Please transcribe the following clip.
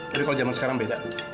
tapi kalau zaman sekarang beda